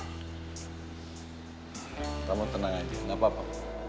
kita mau tenang aja gak apa apa